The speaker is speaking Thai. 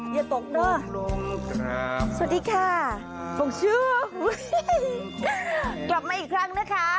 อย่าตกเนอะสวัสดีค่ะตกชื่อกลับมาอีกครั้งนะคะ